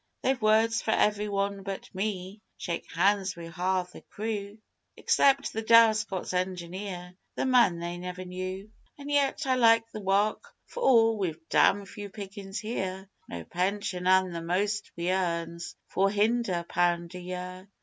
They've words for everyone but me shake hands wi' half the crew, Except the dour Scots engineer, the man they never knew. An' yet I like the wark for all we've dam' few pickin's here No pension, an' the most we earn's four hunder' pound a year.